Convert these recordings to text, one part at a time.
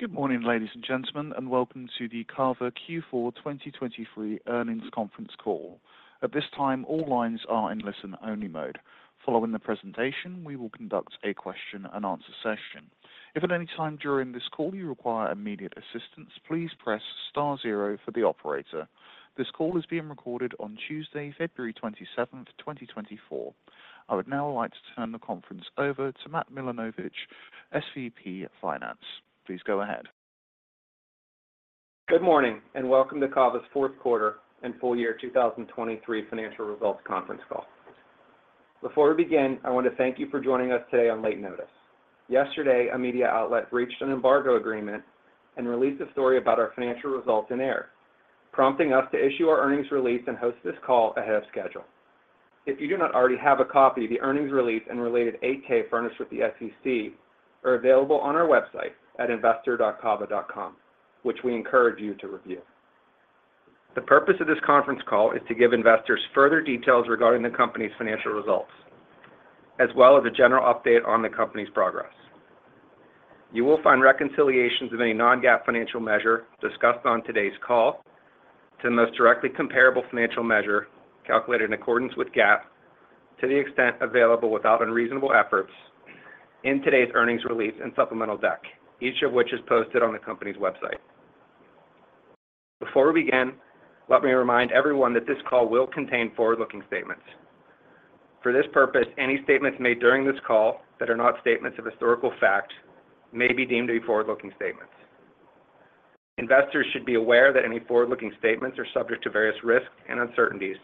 Good morning, ladies and gentlemen, and welcome to the CAVA Q4 2023 earnings conference call. At this time, all lines are in listen-only mode. Following the presentation, we will conduct a question-and-answer session. If at any time during this call you require immediate assistance, please press star zero for the operator. This call is being recorded on Tuesday, February 27th, 2024. I would now like to turn the conference over to Matt Milanovich, SVP Finance. Please go ahead. Good morning and welcome to CAVA's Q4 and full year 2023 financial results conference call. Before we begin, I want to thank you for joining us today on late notice. Yesterday, a media outlet breached an embargo agreement and released a story about our financial results in error, prompting us to issue our earnings release and host this call ahead of schedule. If you do not already have a copy, the earnings release and related 8-K furnished with the SEC are available on our website at investor.cava.com, which we encourage you to review. The purpose of this conference call is to give investors further details regarding the company's financial results, as well as a general update on the company's progress. You will find reconciliations of any non-GAAP financial measure discussed on today's call to the most directly comparable financial measure calculated in accordance with GAAP to the extent available without unreasonable efforts in today's earnings release and supplemental deck, each of which is posted on the company's website. Before we begin, let me remind everyone that this call will contain forward-looking statements. For this purpose, any statements made during this call that are not statements of historical fact may be deemed to be forward-looking statements. Investors should be aware that any forward-looking statements are subject to various risks and uncertainties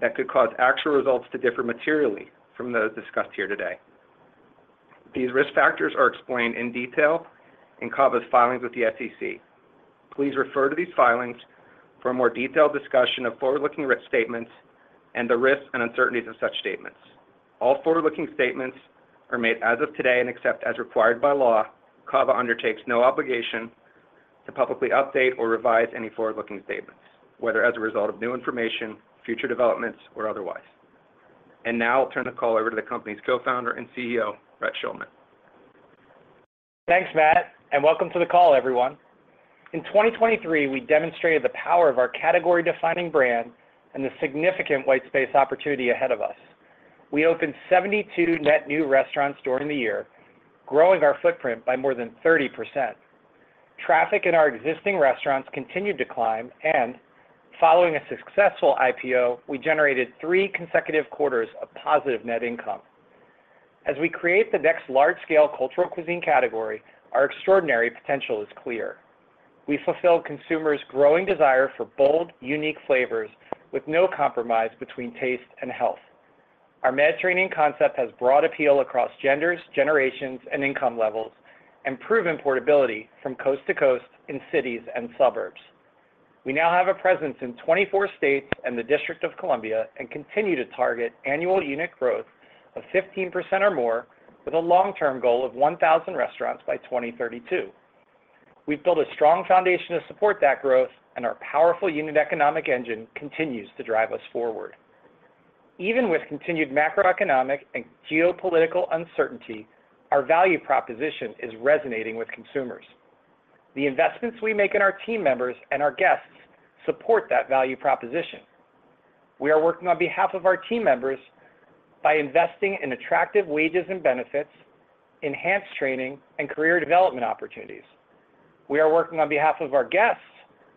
that could cause actual results to differ materially from those discussed here today. These risk factors are explained in detail in CAVA's filings with the SEC. Please refer to these filings for a more detailed discussion of forward-looking statements and the risks and uncertainties of such statements. All forward-looking statements are made as of today and except as required by law, CAVA undertakes no obligation to publicly update or revise any forward-looking statements, whether as a result of new information, future developments, or otherwise. And now I'll turn the call over to the company's co-founder and CEO, Brett Schulman. Thanks, Matt, and welcome to the call, everyone. In 2023, we demonstrated the power of our category-defining brand and the significant white space opportunity ahead of us. We opened 72 net new restaurants during the year, growing our footprint by more than 30%. Traffic in our existing restaurants continued to climb and, following a successful IPO, we generated three consecutive quarters of positive net income. As we create the next large-scale cultural cuisine category, our extraordinary potential is clear. We fulfill consumers' growing desire for bold, unique flavors with no compromise between taste and health. Our Mediterranean concept has broad appeal across genders, generations, and income levels, and proven portability from coast to coast in cities and suburbs. We now have a presence in 24 states and the District of Columbia and continue to target annual unit growth of 15% or more with a long-term goal of 1,000 restaurants by 2032. We've built a strong foundation to support that growth, and our powerful unit economic engine continues to drive us forward. Even with continued macroeconomic and geopolitical uncertainty, our value proposition is resonating with consumers. The investments we make in our team members and our guests support that value proposition. We are working on behalf of our team members by investing in attractive wages and benefits, enhanced training, and career development opportunities. We are working on behalf of our guests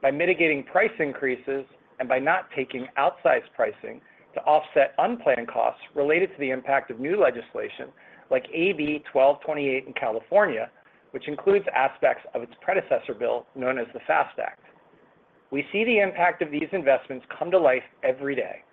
by mitigating price increases and by not taking outsized pricing to offset unplanned costs related to the impact of new legislation like AB 1228 in California, which includes aspects of its predecessor bill known as the FAST Act. We see the impact of these investments come to life every day.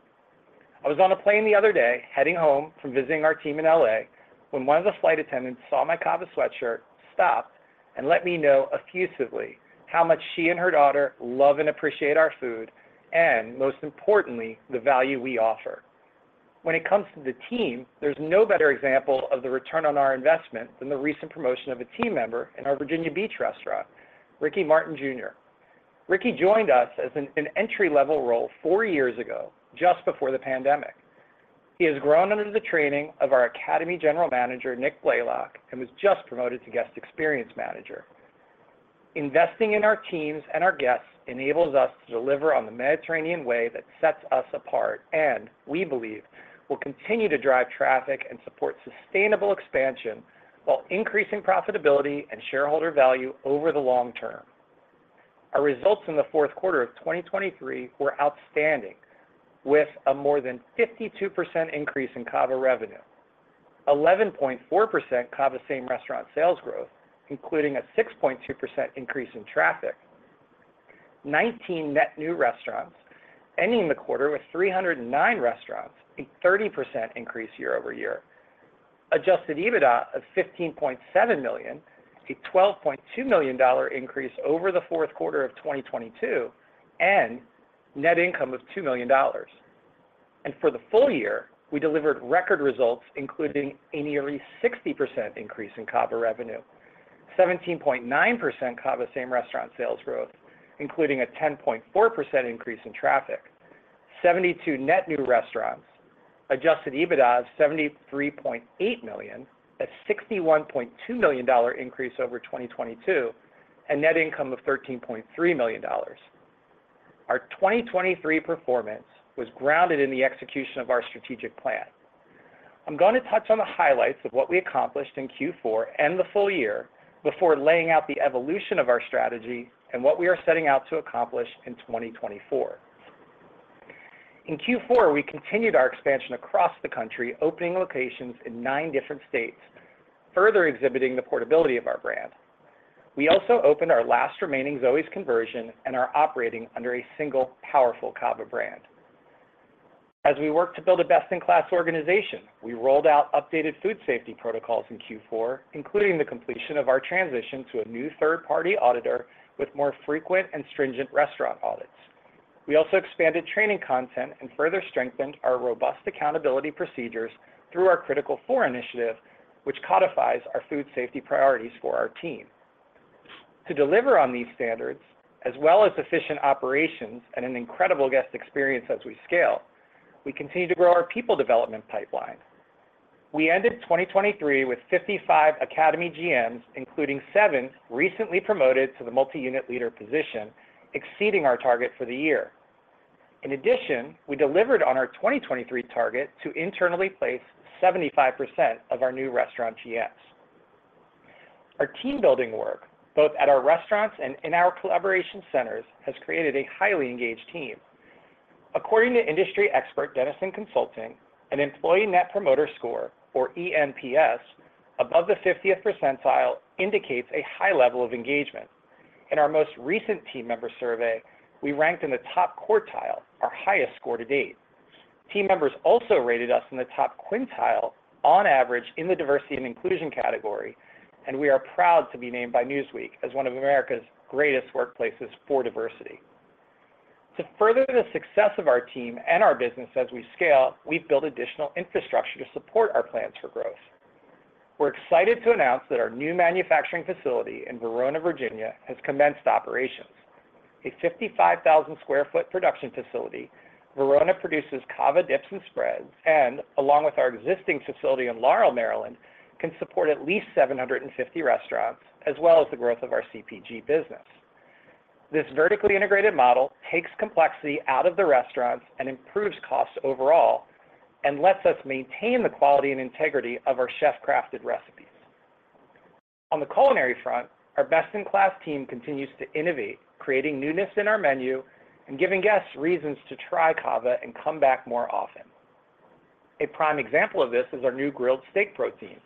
I was on a plane the other day heading home from visiting our team in L.A. when one of the flight attendants saw my CAVA sweatshirt, stopped, and let me know effusively how much she and her daughter love and appreciate our food and, most importantly, the value we offer. When it comes to the team, there's no better example of the return on our investment than the recent promotion of a team member in our Virginia Beach restaurant, Ricky Martin Jr. Ricky joined us as an entry-level role four years ago, just before the pandemic. He has grown under the training of our Academy General Manager, Nick Blaylock, and was just promoted to Guest Experience Manager. Investing in our teams and our guests enables us to deliver on the Mediterranean way that sets us apart and, we believe, will continue to drive traffic and support sustainable expansion while increasing profitability and shareholder value over the long term. Our results in the Q4 of 2023 were outstanding, with a more than 52% increase in CAVA revenue, 11.4% CAVA same restaurant sales growth, including a 6.2% increase in traffic, 19 net new restaurants ending the quarter with 309 restaurants, a 30% increase year-over-year, Adjusted EBITDA of $15.7 million, a $12.2 million increase over the Q4 of 2022, and net income of $2 million. For the full year, we delivered record results, including a nearly 60% increase in CAVA revenue, 17.9% CAVA same restaurant sales growth, including a 10.4% increase in traffic, 72 net new restaurants, adjusted EBITDA of $73.8 million, a $61.2 million increase over 2022, and net income of $13.3 million. Our 2023 performance was grounded in the execution of our strategic plan. I'm going to touch on the highlights of what we accomplished in Q4 and the full year before laying out the evolution of our strategy and what we are setting out to accomplish in 2024. In Q4, we continued our expansion across the country, opening locations in nine different states, further exhibiting the portability of our brand. We also opened our last remaining Zoës conversion and are operating under a single, powerful CAVA brand. As we work to build a best-in-class organization, we rolled out updated food safety protocols in Q4, including the completion of our transition to a new third-party auditor with more frequent and stringent restaurant audits. We also expanded training content and further strengthened our robust accountability procedures through our Critical Four initiative, which codifies our food safety priorities for our team. To deliver on these standards, as well as efficient operations and an incredible guest experience as we scale, we continue to grow our people development pipeline. We ended 2023 with 55 Academy GMs, including 7 recently promoted to the multi-unit leader position, exceeding our target for the year. In addition, we delivered on our 2023 target to internally place 75% of our new restaurant GMs. Our team-building work, both at our restaurants and in our collaboration centers, has created a highly engaged team. According to industry expert Denison Consulting, an employee net promoter score, or ENPS, above the 50th percentile indicates a high level of engagement. In our most recent team member survey, we ranked in the top quartile, our highest score to date. Team members also rated us in the top quintile, on average, in the diversity and inclusion category, and we are proud to be named by Newsweek as one of America's Greatest Workplaces for Diversity. To further the success of our team and our business as we scale, we've built additional infrastructure to support our plans for growth. We're excited to announce that our new manufacturing facility in Verona, Virginia, has commenced operations. A 55,000 sq ft production facility, Verona produces CAVA dips and spreads and, along with our existing facility in Laurel, Maryland, can support at least 750 restaurants, as well as the growth of our CPG business. This vertically integrated model takes complexity out of the restaurants and improves costs overall and lets us maintain the quality and integrity of our chef-crafted recipes. On the culinary front, our best-in-class team continues to innovate, creating newness in our menu and giving guests reasons to try CAVA and come back more often. A prime example of this is our new grilled steak protein.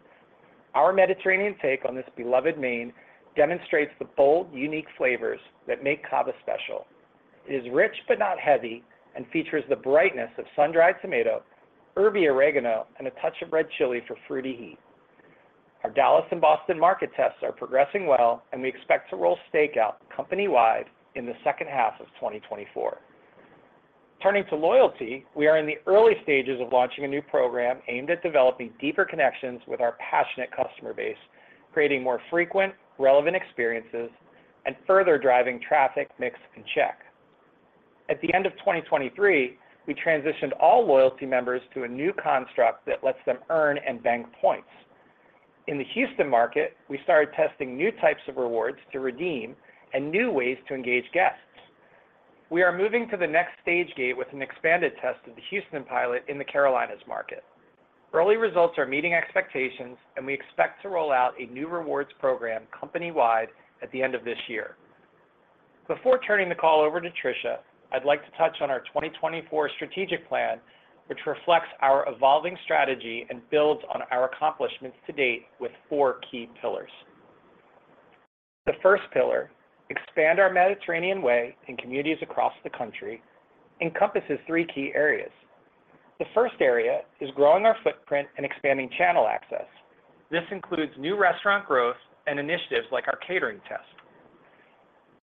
Our Mediterranean take on this beloved main demonstrates the bold, unique flavors that make CAVA special. It is rich but not heavy and features the brightness of sun-dried tomato, herby oregano, and a touch of red chili for fruity heat. Our Dallas and Boston market tests are progressing well, and we expect to roll steak out company-wide in the second half of 2024. Turning to loyalty, we are in the early stages of launching a new program aimed at developing deeper connections with our passionate customer base, creating more frequent, relevant experiences, and further driving traffic, mix, and check. At the end of 2023, we transitioned all loyalty members to a new construct that lets them earn and bank points. In the Houston market, we started testing new types of rewards to redeem and new ways to engage guests. We are moving to the next stage gate with an expanded test of the Houston pilot in the Carolinas market. Early results are meeting expectations, and we expect to roll out a new rewards program company-wide at the end of this year. Before turning the call over to Tricia, I'd like to touch on our 2024 strategic plan, which reflects our evolving strategy and builds on our accomplishments to date with four key pillars. The first pillar, expand our Mediterranean way in communities across the country, encompasses three key areas. The first area is growing our footprint and expanding channel access. This includes new restaurant growth and initiatives like our catering test.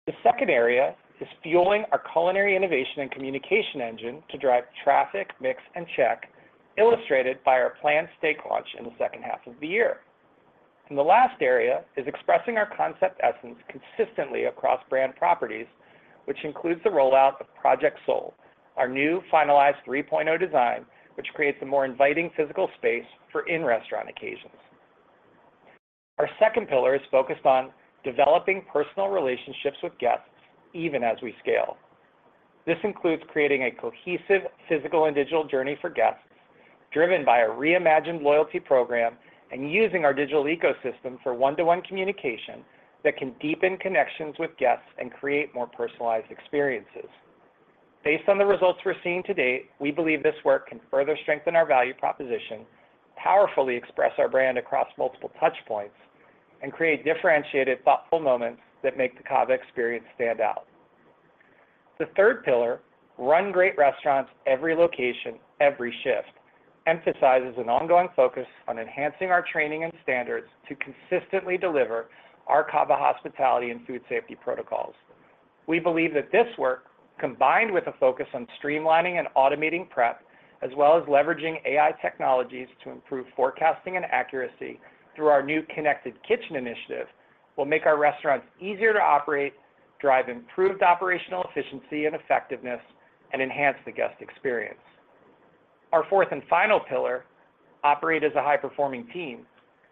The second area is fueling our culinary innovation and communication engine to drive traffic, mix, and check, illustrated by our planned steak launch in the second half of the year. And the last area is expressing our concept essence consistently across brand properties, which includes the rollout of Project Soul, our new finalized 3.0 design, which creates a more inviting physical space for in-restaurant occasions. Our second pillar is focused on developing personal relationships with guests even as we scale. This includes creating a cohesive physical and digital journey for guests, driven by a reimagined loyalty program, and using our digital ecosystem for one-to-one communication that can deepen connections with guests and create more personalized experiences. Based on the results we're seeing to date, we believe this work can further strengthen our value proposition, powerfully express our brand across multiple touchpoints, and create differentiated, thoughtful moments that make the CAVA experience stand out. The third pillar, run great restaurants every location, every shift, emphasizes an ongoing focus on enhancing our training and standards to consistently deliver our CAVA hospitality and food safety protocols. We believe that this work, combined with a focus on streamlining and automating prep, as well as leveraging AI technologies to improve forecasting and accuracy through our new Connected Kitchen initiative, will make our restaurants easier to operate, drive improved operational efficiency and effectiveness, and enhance the guest experience. Our fourth and final pillar, operate as a high-performing team,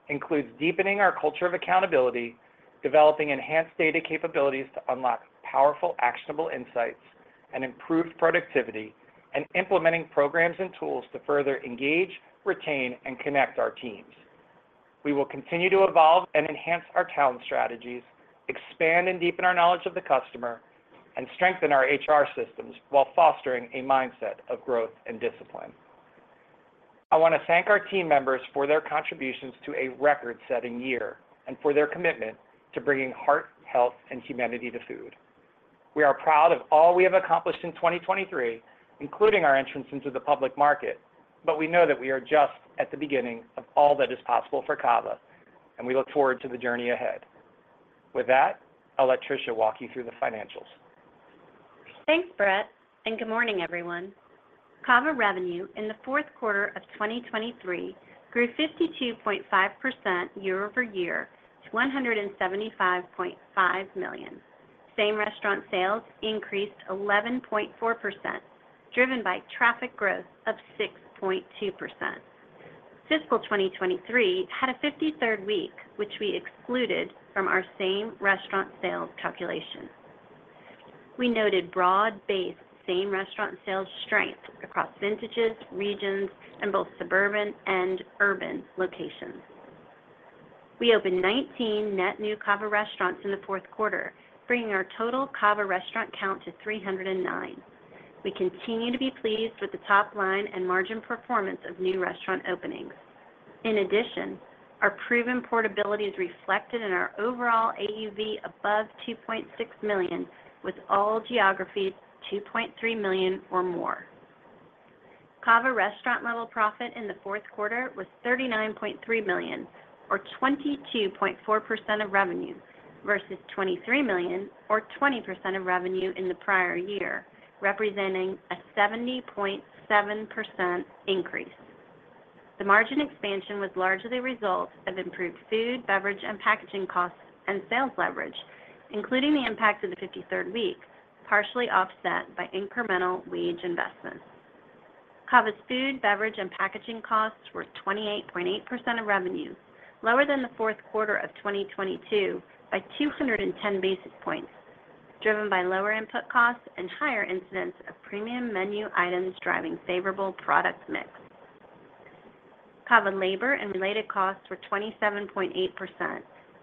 includes deepening our culture of accountability, developing enhanced data capabilities to unlock powerful, actionable insights, and improved productivity, and implementing programs and tools to further engage, retain, and connect our teams. We will continue to evolve and enhance our talent strategies, expand and deepen our knowledge of the customer, and strengthen our HR systems while fostering a mindset of growth and discipline. I want to thank our team members for their contributions to a record-setting year and for their commitment to bringing heart, health, and humanity to food. We are proud of all we have accomplished in 2023, including our entrance into the public market, but we know that we are just at the beginning of all that is possible for CAVA, and we look forward to the journey ahead. With that, I'll let Tricia walk you through the financials. Thanks, Brett, and good morning, everyone. CAVA revenue in the Q4 of 2023 grew 52.5% year-over-year to $175.5 million. Same restaurant sales increased 11.4%, driven by traffic growth of 6.2%. Fiscal 2023 had a 53rd week, which we excluded from our same restaurant sales calculation. We noted broad-based same restaurant sales strength across vintages, regions, and both suburban and urban locations. We opened 19 net new CAVA restaurants in the Q4, bringing our total CAVA restaurant count to 309. We continue to be pleased with the top-line and margin performance of new restaurant openings. In addition, our proven portability is reflected in our overall AUV above $2.6 million, with all geographies $2.3 million or more. CAVA restaurant-level profit in the Q4 was $39.3 million, or 22.4% of revenue, versus $23 million, or 20% of revenue in the prior year, representing a 70.7% increase. The margin expansion was largely a result of improved food, beverage, and packaging costs and sales leverage, including the impact of the 53rd week, partially offset by incremental wage investments. CAVA's food, beverage, and packaging costs were 28.8% of revenue, lower than the Q4 of 2022 by 210 basis points, driven by lower input costs and higher incidence of premium menu items driving favorable product mix. CAVA labor and related costs were 27.8%,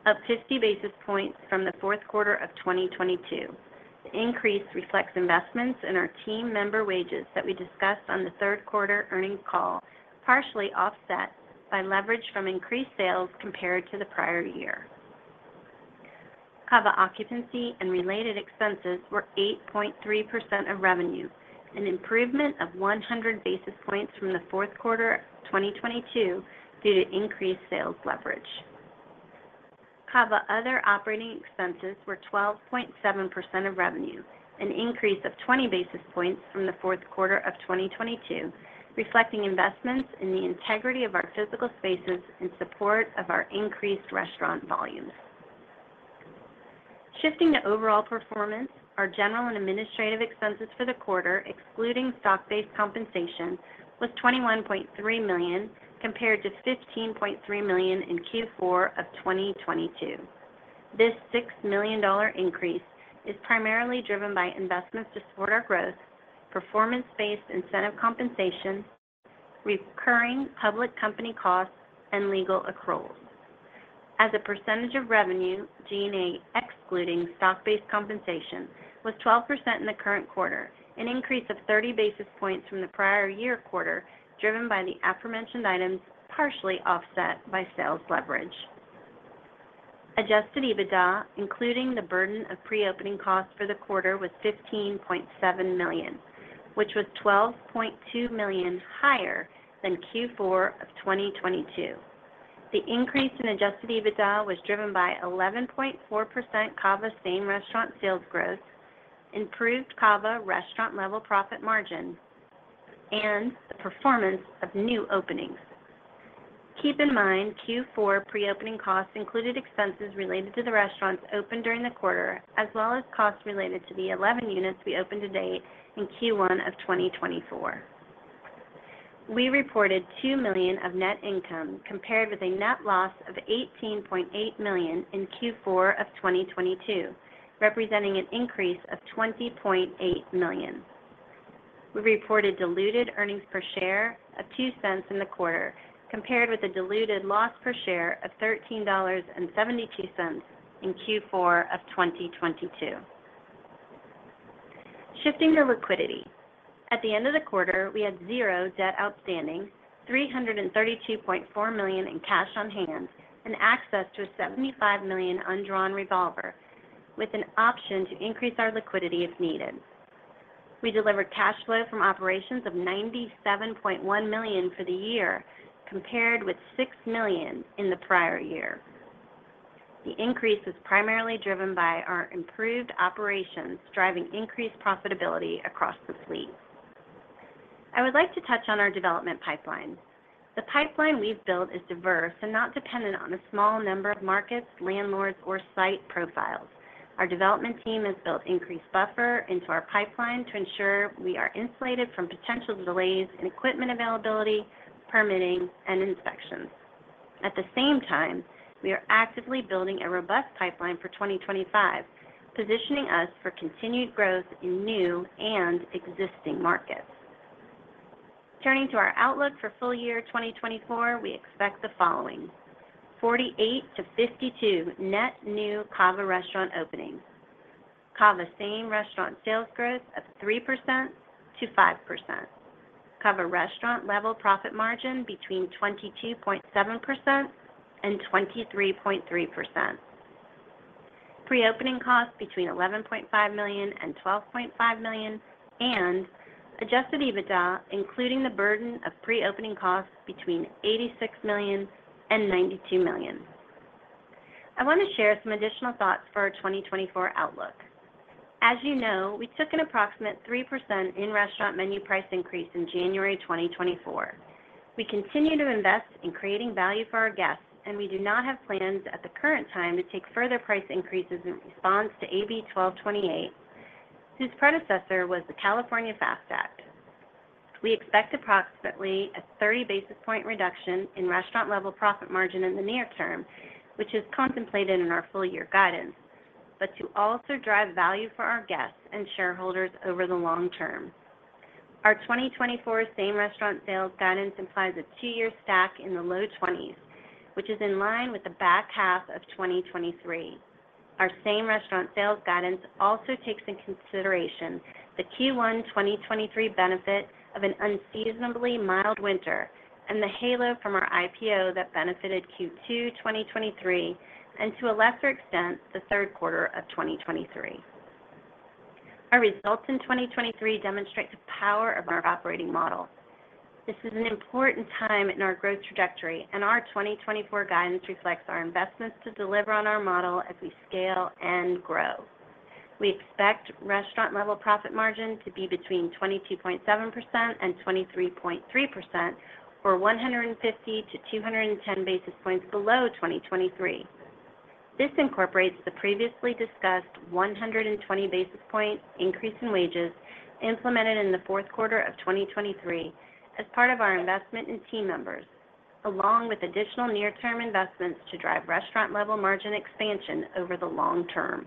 up 50 basis points from the Q4 of 2022. The increase reflects investments in our team member wages that we discussed on the third quarter earnings call, partially offset by leverage from increased sales compared to the prior year. CAVA occupancy and related expenses were 8.3% of revenue, an improvement of 100 basis points from the Q4 of 2022 due to increased sales leverage. CAVA other operating expenses were 12.7% of revenue, an increase of 20 basis points from the Q4 of 2022, reflecting investments in the integrity of our physical spaces in support of our increased restaurant volumes. Shifting to overall performance, our general and administrative expenses for the quarter, excluding stock-based compensation, was $21.3 million compared to $15.3 million in Q4 of 2022. This $6 million increase is primarily driven by investments to support our growth, performance-based incentive compensation, recurring public company costs, and legal accruals. As a percentage of revenue, G&A excluding stock-based compensation, was 12% in the current quarter, an increase of 30 basis points from the prior year quarter driven by the aforementioned items, partially offset by sales leverage. Adjusted EBITDA, including the burden of pre-opening costs for the quarter, was $15.7 million, which was $12.2 million higher than Q4 of 2022. The increase in Adjusted EBITDA was driven by 11.4% CAVA same-restaurant sales growth, improved CAVA restaurant-level profit margin, and the performance of new openings. Keep in mind Q4 pre-opening costs included expenses related to the restaurants opened during the quarter, as well as costs related to the 11 units we opened to date in Q1 of 2024. We reported $2 million of net income compared with a net loss of $18.8 million in Q4 of 2022, representing an increase of $20.8 million. We reported diluted earnings per share of $0.02 in the quarter compared with a diluted loss per share of $13.72 in Q4 of 2022. Shifting to liquidity. At the end of the quarter, we had zero debt outstanding, $332.4 million in cash on hand, and access to a $75 million undrawn revolver with an option to increase our liquidity if needed. We delivered cash flow from operations of $97.1 million for the year compared with $6 million in the prior year. The increase was primarily driven by our improved operations, driving increased profitability across the fleet. I would like to touch on our development pipeline. The pipeline we've built is diverse and not dependent on a small number of markets, landlords, or site profiles. Our development team has built increased buffer into our pipeline to ensure we are insulated from potential delays in equipment availability, permitting, and inspections. At the same time, we are actively building a robust pipeline for 2025, positioning us for continued growth in new and existing markets. Turning to our outlook for full year 2024, we expect the following: 48-52 net new CAVA restaurant openings, CAVA same restaurant sales growth of 3%-5%, CAVA restaurant-level profit margin between 22.7% and 23.3%, pre-opening costs between $11.5 million and $12.5 million, and Adjusted EBITDA, including the burden of pre-opening costs between $86 million and $92 million. I want to share some additional thoughts for our 2024 outlook. As you know, we took an approximate 3% in-restaurant menu price increase in January 2024. We continue to invest in creating value for our guests, and we do not have plans at the current time to take further price increases in response to AB 1228, whose predecessor was the California FAST Act. We expect approximately a 30 basis points reduction in restaurant-level profit margin in the near term, which is contemplated in our full year guidance, but to also drive value for our guests and shareholders over the long term. Our 2024 same restaurant sales guidance implies a two-year stack in the low 20s, which is in line with the back half of 2023. Our same restaurant sales guidance also takes into consideration the Q1 2023 benefit of an unseasonably mild winter and the halo from our IPO that benefited Q2 2023 and, to a lesser extent, the third quarter of 2023. Our results in 2023 demonstrate the power of our operating model. This is an important time in our growth trajectory, and our 2024 guidance reflects our investments to deliver on our model as we scale and grow. We expect restaurant-level profit margin to be between 22.7%-23.3%, or 150-210 basis points below 2023. This incorporates the previously discussed 120 basis point increase in wages implemented in the Q4 of 2023 as part of our investment in team members, along with additional near-term investments to drive restaurant-level margin expansion over the long term.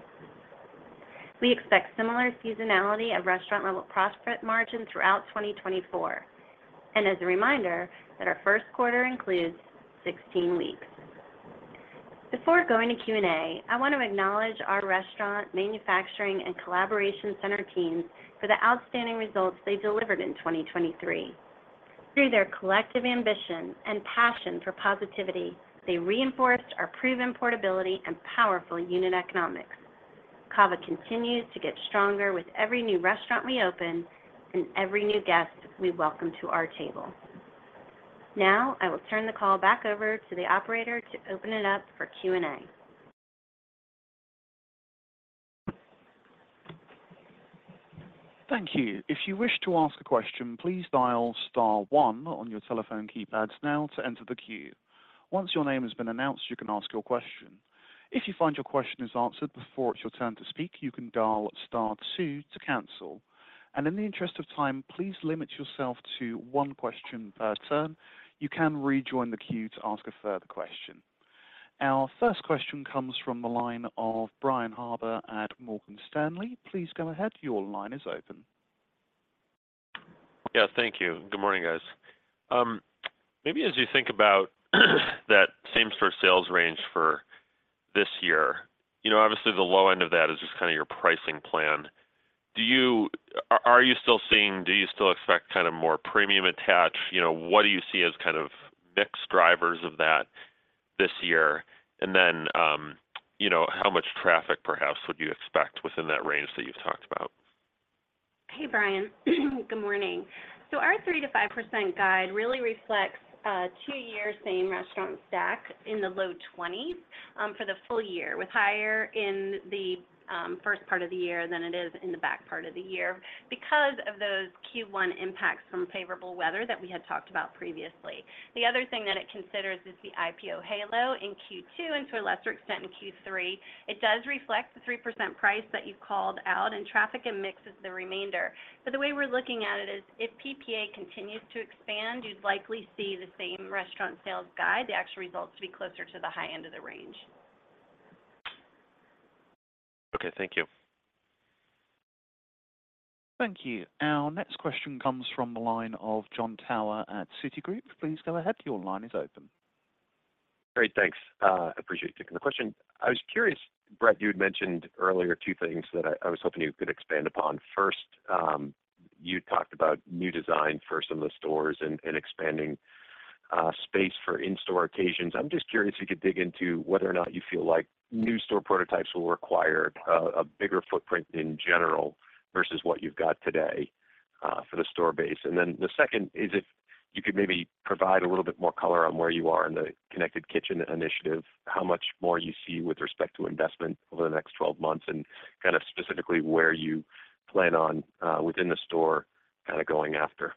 We expect similar seasonality of restaurant-level profit margin throughout 2024, and as a reminder, that our Q1 includes 16 weeks. Before going to Q&A, I want to acknowledge our restaurant manufacturing and collaboration center teams for the outstanding results they delivered in 2023. Through their collective ambition and passion for positivity, they reinforced our proven portability and powerful unit economics. CAVA continues to get stronger with every new restaurant we open and every new guest we welcome to our table. Now, I will turn the call back over to the operator to open it up for Q&A. Thank you. If you wish to ask a question, please dial star one on your telephone keypads now to enter the queue. Once your name has been announced, you can ask your question. If you find your question is answered before it's your turn to speak, you can dial star two to cancel. And in the interest of time, please limit yourself to one question per turn. You can rejoin the queue to ask a further question. Our first question comes from the line of Brian Harbour at Morgan Stanley. Please go ahead. Your line is open. Yeah, thank you. Good morning, guys. Maybe as you think about that same store sales range for this year, obviously, the low end of that is just kind of your pricing plan. Are you still seeing, do you still expect kind of more premium attached? What do you see as kind of mixed drivers of that this year? And then how much traffic, perhaps, would you expect within that range that you've talked about? Hey, Brian. Good morning. So our 3%-5% guide really reflects two-year same-restaurant stack in the low 20s for the full year, with higher in the first part of the year than it is in the back part of the year because of those Q1 impacts from favorable weather that we had talked about previously. The other thing that it considers is the IPO halo in Q2 and, to a lesser extent, in Q3. It does reflect the 3% price that you called out, and traffic and mix is the remainder. But the way we're looking at it is if PPA continues to expand, you'd likely see the same-restaurant sales guide, the actual results to be closer to the high end of the range. Okay, thank you. Thank you. Our next question comes from the of Jon Tower at Citi Group. Please go ahead. Your line is open. Great, thanks. I appreciate taking the question. I was curious, Brett, you had mentioned earlier two things that I was hoping you could expand upon. First, you talked about new design for some of the stores and expanding space for in-store occasions. I'm just curious if you could dig into whether or not you feel like new store prototypes will require a bigger footprint in general versus what you've got today for the store base. And then the second is if you could maybe provide a little bit more color on where you are in the Connected Kitchen initiative, how much more you see with respect to investment over the next 12 months and kind of specifically where you plan on within the store kind of going after.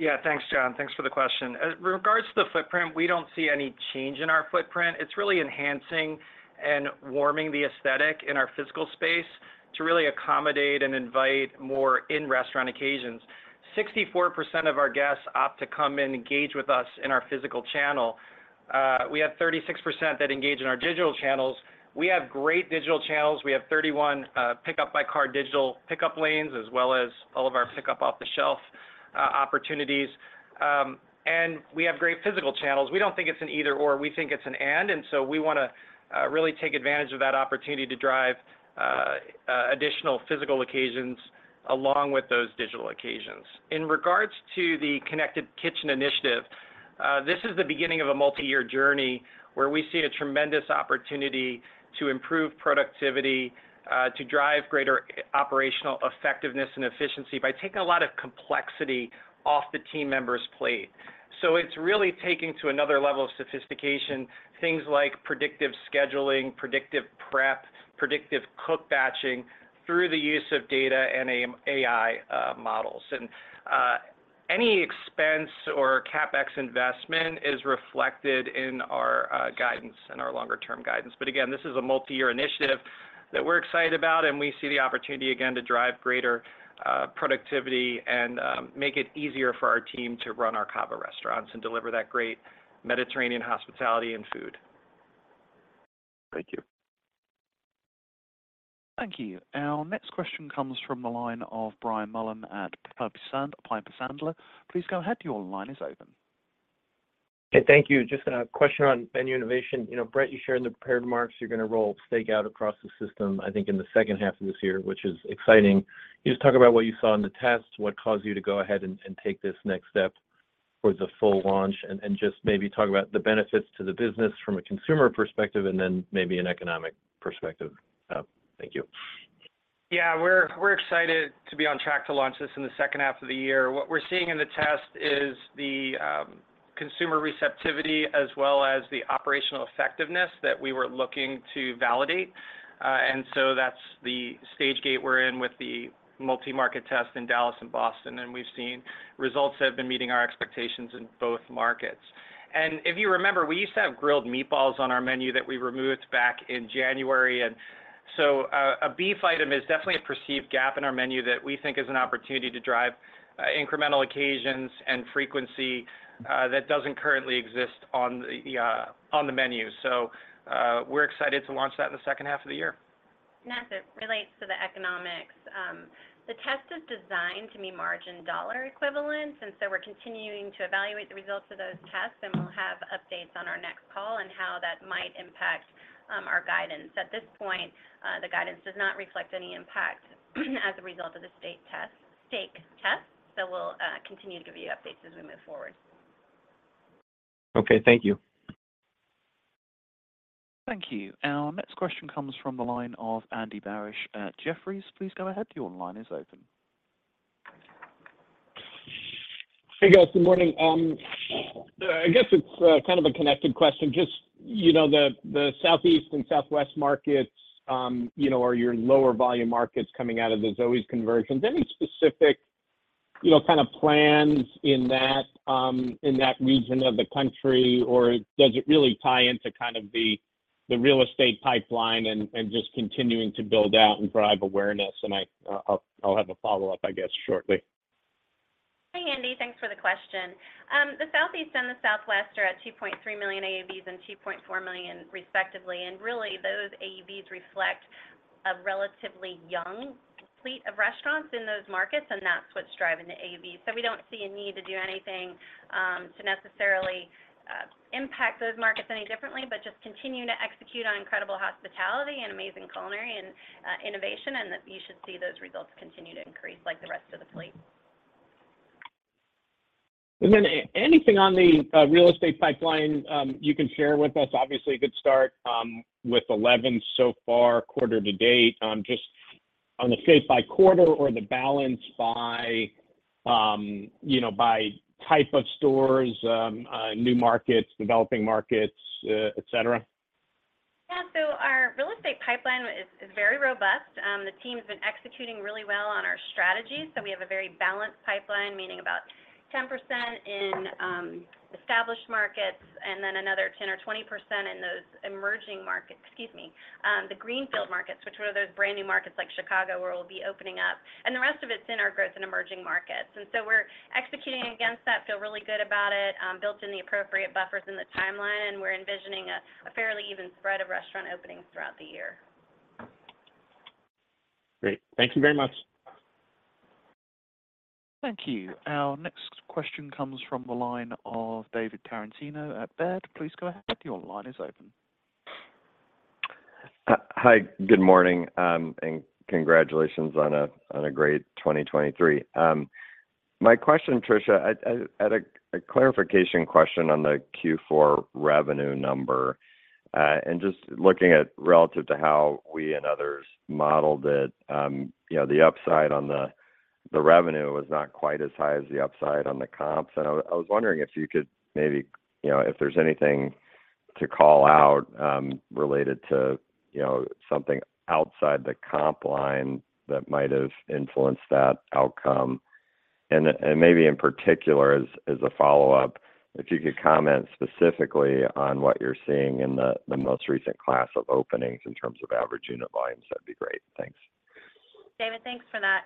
Yeah, thanks, Jon. Thanks for the question. In regards to the footprint, we don't see any change in our footprint. It's really enhancing and warming the aesthetic in our physical space to really accommodate and invite more in-restaurant occasions. 64% of our guests opt to come and engage with us in our physical channel. We have 36% that engage in our digital channels. We have great digital channels. We have 31 pickup-by-car digital pickup lanes, as well as all of our pickup-off-the-shelf opportunities. And we have great physical channels. We don't think it's an either/or. We think it's an and. And so we want to really take advantage of that opportunity to drive additional physical occasions along with those digital occasions. In regards to the Connected Kitchen initiative, this is the beginning of a multi-year journey where we see a tremendous opportunity to improve productivity, to drive greater operational effectiveness and efficiency by taking a lot of complexity off the team members' plate. So it's really taking to another level of sophistication things like predictive scheduling, predictive prep, predictive cook batching through the use of data and AI models. And any expense or CapEx investment is reflected in our guidance, in our longer-term guidance. But again, this is a multi-year initiative that we're excited about, and we see the opportunity again to drive greater productivity and make it easier for our team to run our CAVA restaurants and deliver that great Mediterranean hospitality and food. Thank you. Thank you. Our next question comes from the line of Brian Mullan at Piper Sandler. Please go ahead. Your line is open. Hey, thank you. Just kind of a question on menu innovation. Brett, you shared in the prepared remarks, you're going to roll steak out across the system, I think, in the second half of this year, which is exciting. Can you just talk about what you saw in the tests, what caused you to go ahead and take this next step for the full launch, and just maybe talk about the benefits to the business from a consumer perspective and then maybe an economic perspective? Thank you. Yeah, we're excited to be on track to launch this in the second half of the year. What we're seeing in the test is the consumer receptivity as well as the operational effectiveness that we were looking to validate. And so that's the stage gate we're in with the multi-market test in Dallas and Boston. And we've seen results have been meeting our expectations in both markets. And if you remember, we used to have grilled meatballs on our menu that we removed back in January. And so a beef item is definitely a perceived gap in our menu that we think is an opportunity to drive incremental occasions and frequency that doesn't currently exist on the menu. So we're excited to launch that in the H2 of the year. As it relates to the economics, the test is designed to meet margin dollar equivalence. So we're continuing to evaluate the results of those tests, and we'll have updates on our next call and how that might impact our guidance. At this point, the guidance does not reflect any impact as a result of the steak test. We'll continue to give you updates as we move forward. Okay, thank you. Thank you. Our next question comes from the line of Andy Barish at Jefferies. Please go ahead. Your line is open. Hey, guys. Good morning. I guess it's kind of a connected question. Just the southeast and southwest markets are your lower-volume markets coming out of the Zoës conversions. Any specific kind of plans in that region of the country, or does it really tie into kind of the real estate pipeline and just continuing to build out and drive awareness? And I'll have a follow-up, I guess, shortly. Hi, Andy. Thanks for the question. The southeast and the southwest are at $2.3 million AUVs and $2.4 million, respectively. And really, those AUVs reflect a relatively young fleet of restaurants in those markets, and that's what's driving the AUVs. So we don't see a need to do anything to necessarily impact those markets any differently, but just continue to execute on incredible hospitality and amazing culinary innovation, and that you should see those results continue to increase like the rest of the fleet. And then anything on the real estate pipeline you can share with us? Obviously, a good start with 11 so far quarter to date. Just on the state-by-quarter or the balance by type of stores, new markets, developing markets, etc.? Yeah, so our real estate pipeline is very robust. The team's been executing really well on our strategy. So we have a very balanced pipeline, meaning about 10% in established markets and then another 10%-20% in those emerging markets, excuse me, the greenfield markets, which are those brand new markets like Chicago where we'll be opening up. And the rest of it's in our growth and emerging markets. And so we're executing against that, feel really good about it, built in the appropriate buffers in the timeline, and we're envisioning a fairly even spread of restaurant openings throughout the year. Great. Thank you very much. Thank you. Our next question comes from the line of David Tarantino at Baird. Please go ahead. Your line is open. Hi, good morning, and congratulations on a great 2023. My question, Tricia, I had a clarification question on the Q4 revenue number. Just looking at relative to how we and others modeled it, the upside on the revenue was not quite as high as the upside on the comps. I was wondering if you could maybe if there's anything to call out related to something outside the comp line that might have influenced that outcome. Maybe in particular, as a follow-up, if you could comment specifically on what you're seeing in the most recent class of openings in terms of average unit volumes, that'd be great. Thanks. David, thanks for that.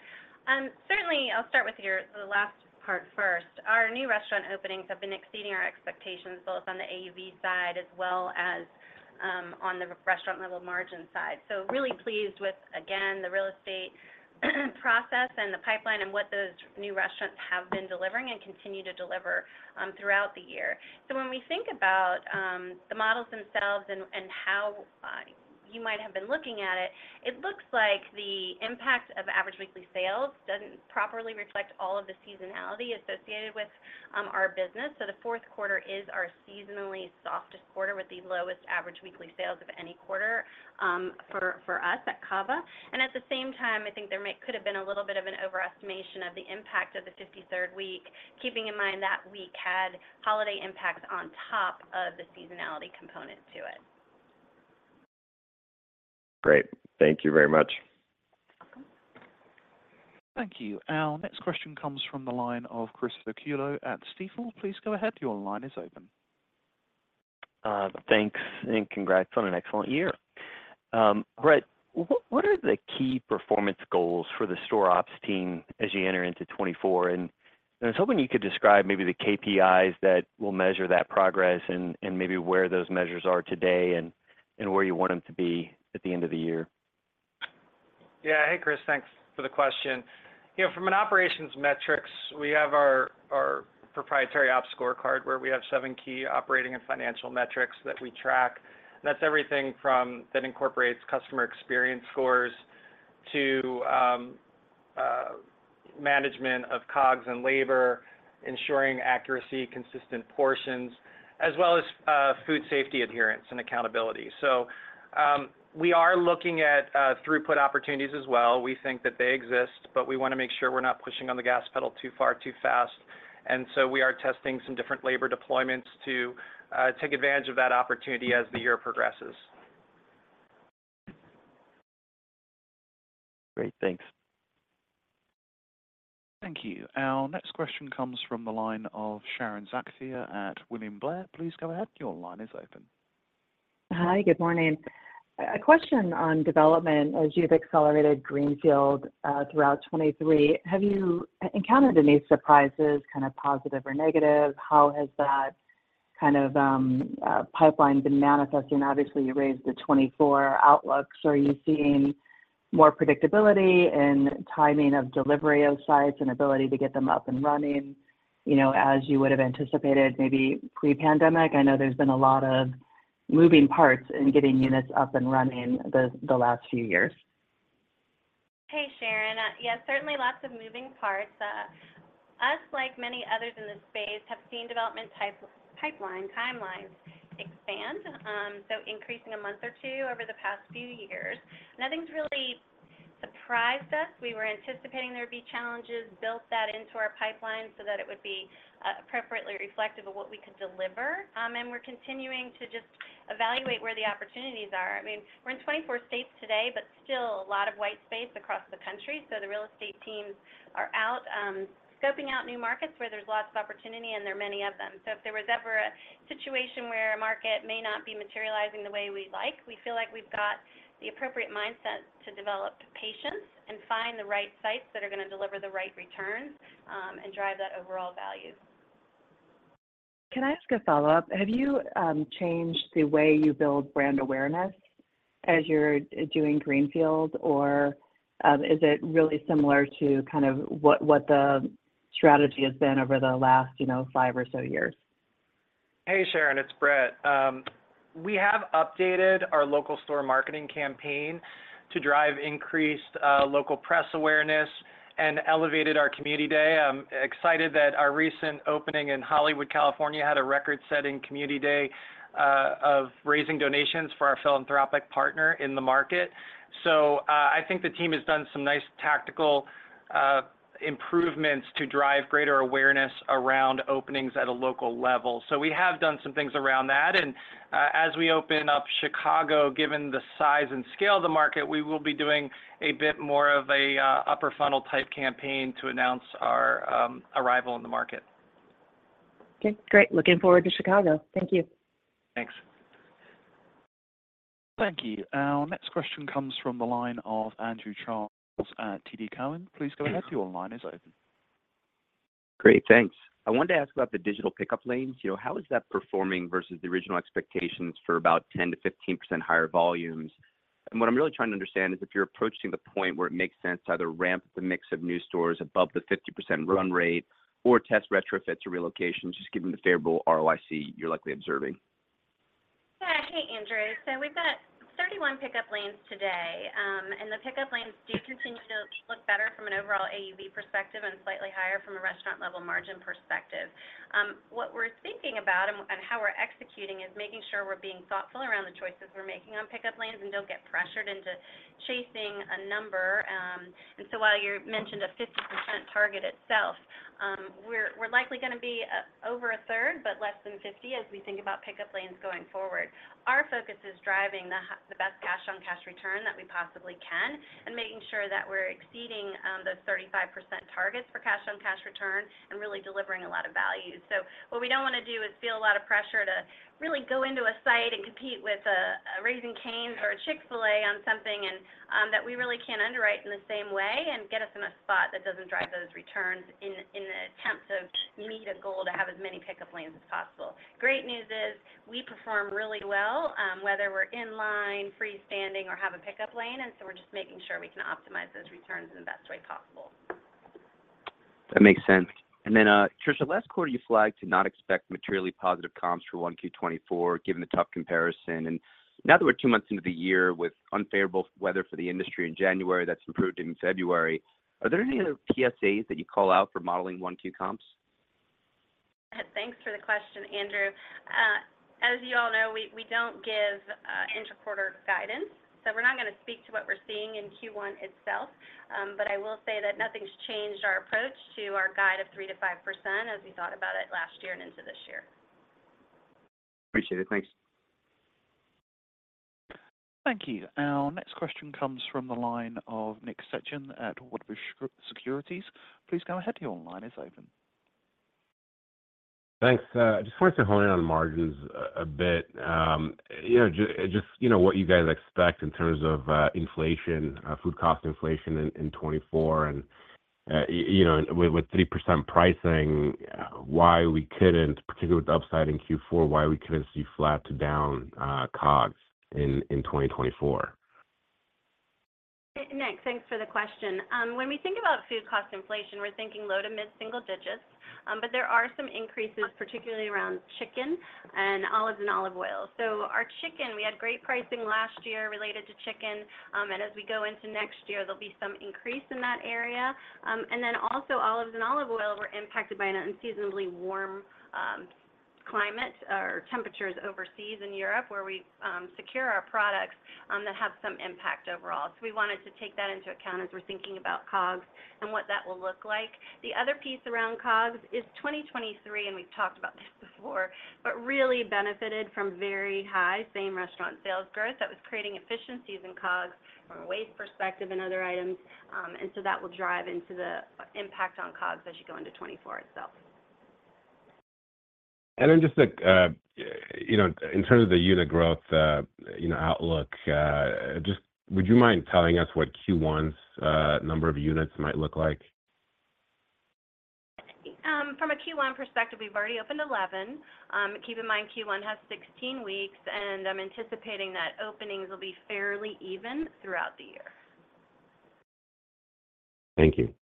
Certainly, I'll start with the last part first. Our new restaurant openings have been exceeding our expectations both on the AUV side as well as on the restaurant-level margin side. So really pleased with, again, the real estate process and the pipeline and what those new restaurants have been delivering and continue to deliver throughout the year. So when we think about the models themselves and how you might have been looking at it, it looks like the impact of average weekly sales doesn't properly reflect all of the seasonality associated with our business. So the Q4 is our seasonally softest quarter with the lowest average weekly sales of any quarter for us at CAVA. At the same time, I think there could have been a little bit of an overestimation of the impact of the 53rd week, keeping in mind that week had holiday impacts on top of the seasonality component to it. Great. Thank you very much. You're welcome. Thank you. Our next question comes from the line of Chris O'Cull at Stifel. Please go ahead. Your line is open. Thanks and congrats on an excellent year. Brett, what are the key performance goals for the store ops team as you enter into 2024? I was hoping you could describe maybe the KPIs that will measure that progress and maybe where those measures are today and where you want them to be at the end of the year? Yeah, hey, Chris. Thanks for the question. From an operations metrics, we have our proprietary ops scorecard where we have seven key operating and financial metrics that we track. And that's everything from that incorporates customer experience scores to management of COGS and labor, ensuring accuracy, consistent portions, as well as food safety adherence and accountability. So we are looking at throughput opportunities as well. We think that they exist, but we want to make sure we're not pushing on the gas pedal too far, too fast. And so we are testing some different labor deployments to take advantage of that opportunity as the year progresses. Great. Thanks. Thank you. Our next question comes from the line of Sharon Zackfia at William Blair. Please go ahead. Your line is open. Hi, good morning. A question on development. As you've accelerated greenfield throughout 2023, have you encountered any surprises, kind of positive or negative? How has that kind of pipeline been manifesting? Obviously, you raised the 2024 outlooks. Are you seeing more predictability in timing of delivery of sites and ability to get them up and running as you would have anticipated maybe pre-pandemic? I know there's been a lot of moving parts in getting units up and running the last few years. Hey, Sharon. Yeah, certainly lots of moving parts. Us, like many others in the space, have seen development pipeline timelines expand, so increasing a month or two over the past few years. Nothing's really surprised us. We were anticipating there would be challenges, built that into our pipeline so that it would be appropriately reflective of what we could deliver. We're continuing to just evaluate where the opportunities are. I mean, we're in 24 states today, but still a lot of white space across the country. So the real estate teams are out scoping out new markets where there's lots of opportunity, and there are many of them. So if there was ever a situation where a market may not be materializing the way we'd like, we feel like we've got the appropriate mindset to develop patience and find the right sites that are going to deliver the right returns and drive that overall value. Can I ask a follow-up? Have you changed the way you build brand awareness as you're doing greenfield, or is it really similar to kind of what the strategy has been over the last five or so years? Hey, Sharon. It's Brett. We have updated our local store marketing campaign to drive increased local press awareness and elevated our community day. I'm excited that our recent opening in Hollywood, California, had a record-setting community day of raising donations for our philanthropic partner in the market. So I think the team has done some nice tactical improvements to drive greater awareness around openings at a local level. So we have done some things around that. And as we open up Chicago, given the size and scale of the market, we will be doing a bit more of an upper-funnel type campaign to announce our arrival in the market. Okay, great. Looking forward to Chicago. Thank you. Thanks. Thank you. Our next question comes from the line of Andrew Charles at TD Cowen. Please go ahead. Your line is open. Great, thanks. I wanted to ask about the digital pickup lanes. How is that performing versus the original expectations for about 10%-15% higher volumes? And what I'm really trying to understand is if you're approaching the point where it makes sense to either ramp the mix of new stores above the 50% run rate or test retrofits or relocations, just given the favorable ROIC you're likely observing. Hey, Andrew. So we've got 31 pickup lanes today. And the pickup lanes do continue to look better from an overall AUV perspective and slightly higher from a restaurant-level margin perspective. What we're thinking about and how we're executing is making sure we're being thoughtful around the choices we're making on pickup lanes and don't get pressured into chasing a number. And so while you mentioned a 50% target itself, we're likely going to be over a third but less than 50% as we think about pickup lanes going forward. Our focus is driving the best cash-on-cash return that we possibly can and making sure that we're exceeding those 35% targets for cash-on-cash return and really delivering a lot of value. So what we don't want to do is feel a lot of pressure to really go into a site and compete with a Raising Cane's or a Chick-fil-A on something that we really can't underwrite in the same way and get us in a spot that doesn't drive those returns in the attempt to meet a goal to have as many pickup lanes as possible. Great news is we perform really well, whether we're in line, freestanding, or have a pickup lane. And so we're just making sure we can optimize those returns in the best way possible. That makes sense. Then, Tricia, last quarter, you flagged to not expect materially positive comps for 1Q24 given the tough comparison. Now that we're two months into the year with unfavorable weather for the industry in January that's improved in February, are there any other pieces that you call out for modeling 1Q comps? Thanks for the question, Andrew. As you all know, we don't give interquarter guidance. So we're not going to speak to what we're seeing in Q1 itself. But I will say that nothing's changed our approach to our guide of 3%-5% as we thought about it last year and into this year. Appreciate it. Thanks. Thank you. Our next question comes from the line of Nick Setyan at Wedbush Securities. Please go ahead. Your line is open. Thanks. I just wanted to hone in on margins a bit, just what you guys expect in terms of inflation, food cost inflation in 2024. And with 3% pricing, why we couldn't, particularly with the upside in Q4, why we couldn't see flat to down COGS in 2024? Nick, thanks for the question. When we think about food cost inflation, we're thinking low- to mid-single digits. But there are some increases, particularly around chicken and olives and olive oil. So our chicken, we had great pricing last year related to chicken. And as we go into next year, there'll be some increase in that area. And then also, olives and olive oil were impacted by an unseasonably warm climate or temperatures overseas in Europe where we secure our products that have some impact overall. So we wanted to take that into account as we're thinking about COGS and what that will look like. The other piece around COGS is 2023, and we've talked about this before, but really benefited from very high same restaurant sales growth that was creating efficiencies in COGS from a waste perspective and other items. And so that will drive into the impact on COGS as you go into 2024 itself. And then just in terms of the unit growth outlook, would you mind telling us what Q1's number of units might look like? From a Q1 perspective, we've already opened 11. Keep in mind Q1 has 16 weeks. I'm anticipating that openings will be fairly even throughout the year. Thank you.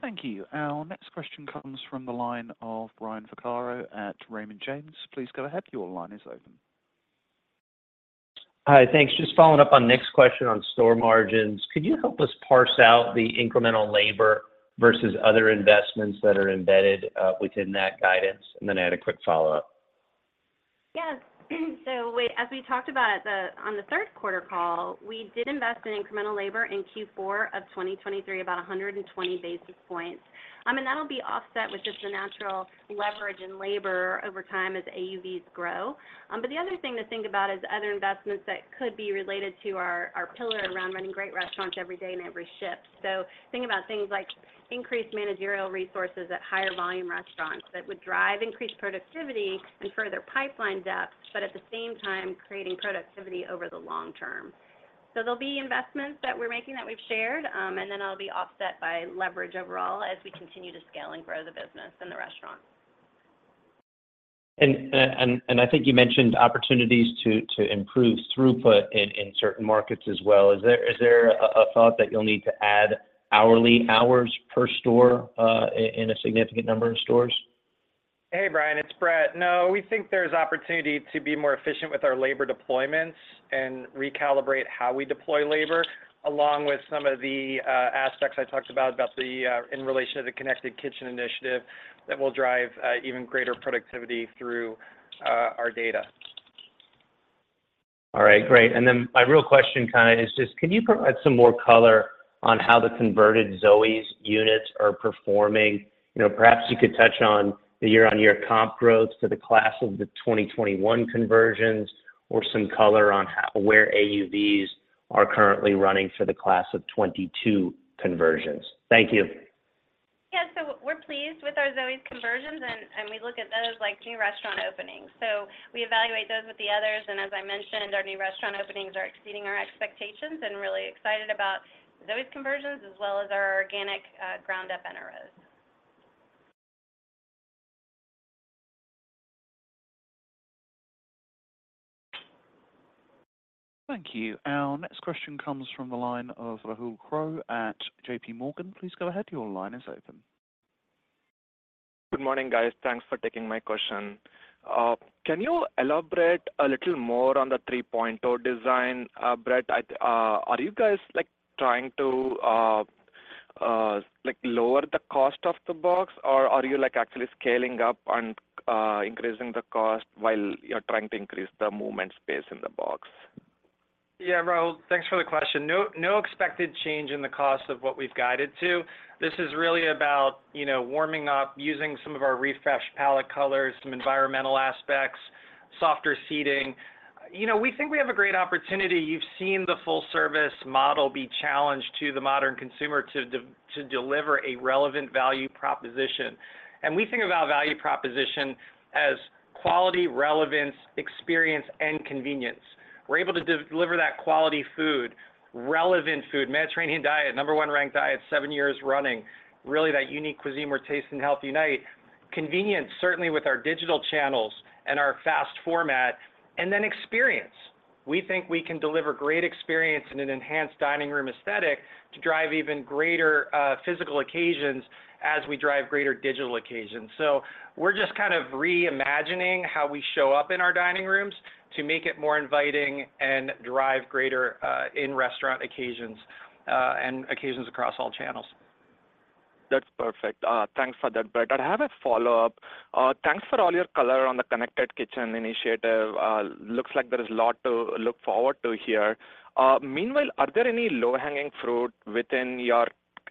Thank you. Our next question comes from the line of Brian Vaccaro at Raymond James. Please go ahead. Your line is open. Hi, thanks. Just following up on Nick's question on store margins, could you help us parse out the incremental labor versus other investments that are embedded within that guidance? And then add a quick follow-up. Yes. So as we talked about on the third-quarter call, we did invest in incremental labor in Q4 of 2023, about 120 basis points. And that'll be offset with just the natural leverage in labor over time as AUVs grow. But the other thing to think about is other investments that could be related to our pillar around running great restaurants every day and every shift. So think about things like increased managerial resources at higher-volume restaurants that would drive increased productivity and further pipeline depth, but at the same time, creating productivity over the long term. So there'll be investments that we're making that we've shared. And then it'll be offset by leverage overall as we continue to scale and grow the business and the restaurants. I think you mentioned opportunities to improve throughput in certain markets as well. Is there a thought that you'll need to add hourly hours per store in a significant number of stores? Hey, Brian. It's Brett. No, we think there's opportunity to be more efficient with our labor deployments and recalibrate how we deploy labor along with some of the aspects I talked about in relation to the Connected Kitchen Initiative that will drive even greater productivity through our data. All right, great. My real question kind of is just, can you provide some more color on how the converted Zoës units are performing? Perhaps you could touch on the year-on-year comp growth to the class of the 2021 conversions or some color on where AUVs are currently running for the class of 2022 conversions. Thank you. Yeah, so we're pleased with our Zoës conversions. We look at those as new restaurant openings. We evaluate those with the others. As I mentioned, our new restaurant openings are exceeding our expectations and really excited about Zoës conversions as well as our organic ground-up NROs. Thank you. Our next question comes from the line of Rahul Krotthapalli at J.P. Morgan. Please go ahead. Your line is open. Good morning, guys. Thanks for taking my question. Can you elaborate a little more on the three-point design, Brett? Are you guys trying to lower the cost of the box, or are you actually scaling up and increasing the cost while you're trying to increase the movement space in the box? Yeah, Rahul, thanks for the question. No expected change in the cost of what we've guided to. This is really about warming up, using some of our refreshed palette colors, some environmental aspects, softer seating. We think we have a great opportunity. You've seen the full-service model be challenged to the modern consumer to deliver a relevant value proposition. And we think about value proposition as quality, relevance, experience, and convenience. We're able to deliver that quality food, relevant food, Mediterranean diet, number one-ranked diet, seven years running, really that unique cuisine where taste and health unite, convenience, certainly with our digital channels and our fast format, and then experience. We think we can deliver great experience and an enhanced dining room aesthetic to drive even greater physical occasions as we drive greater digital occasions. We're just kind of reimagining how we show up in our dining rooms to make it more inviting and drive greater in-restaurant occasions and occasions across all channels. That's perfect. Thanks for that, Brett. I have a follow-up. Thanks for all your color on the Connected Kitchen Initiative. Looks like there is a lot to look forward to here. Meanwhile, are there any low-hanging fruit within your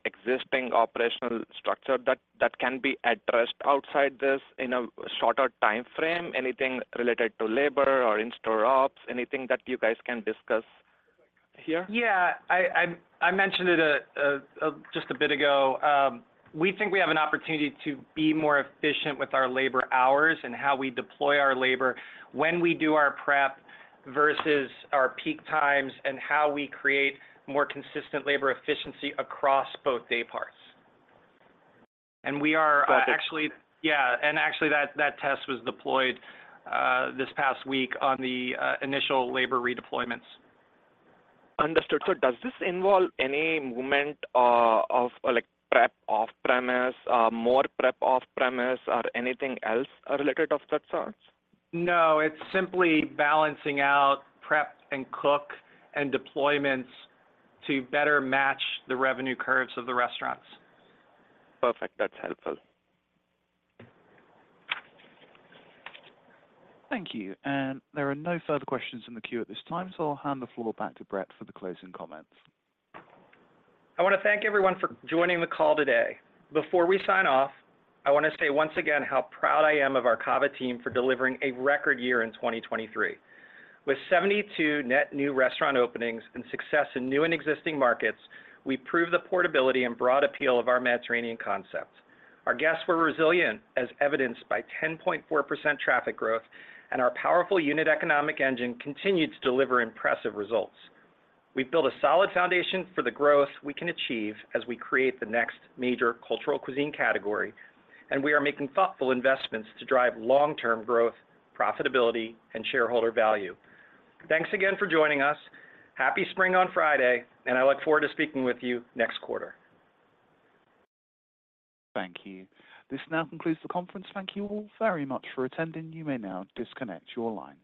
existing operational structure that can be addressed outside this in a shorter time frame? Anything related to labor or in-store ops, anything that you guys can discuss here? Yeah, I mentioned it just a bit ago. We think we have an opportunity to be more efficient with our labor hours and how we deploy our labor when we do our prep versus our peak times and how we create more consistent labor efficiency across both dayparts. And we are actually, that test was deployed this past week on the initial labor redeployments. Understood. So does this involve any movement of prep off-premise, more prep off-premise, or anything else related of that sort? No, it's simply balancing out prep and cook and deployments to better match the revenue curves of the restaurants. Perfect. That's helpful. Thank you. And there are no further questions in the queue at this time. So I'll hand the floor back to Brett for the closing comments. I want to thank everyone for joining the call today. Before we sign off, I want to say once again how proud I am of our CAVA team for delivering a record year in 2023. With 72 net new restaurant openings and success in new and existing markets, we proved the portability and broad appeal of our Mediterranean concept. Our guests were resilient, as evidenced by 10.4% traffic growth, and our powerful unit economic engine continued to deliver impressive results. We've built a solid foundation for the growth we can achieve as we create the next major cultural cuisine category. And we are making thoughtful investments to drive long-term growth, profitability, and shareholder value. Thanks again for joining us. Happy spring on Friday. And I look forward to speaking with you next quarter. Thank you. This now concludes the conference. Thank you all very much for attending. You may now disconnect your lines.